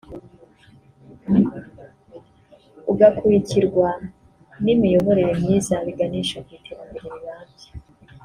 ugakurikirwa n’imiyoborere myiza biganisha ku iterambere rirambye